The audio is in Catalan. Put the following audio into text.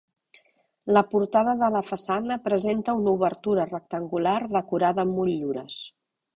La portada de la façana presenta una obertura rectangular decorada amb motllures.